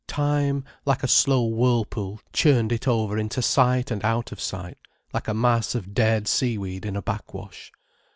Time, like a slow whirlpool churned it over into sight and out of sight, like a mass of dead sea weed in a backwash.